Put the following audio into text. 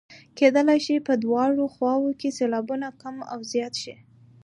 کیدلای شي په دواړو خواوو کې سېلابونه کم او زیات شي.